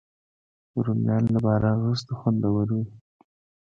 رومیان له باران وروسته خوندور وي